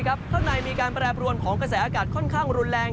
ข้างในมีการแปรปรวนของกระแสอากาศค่อนข้างรุนแรง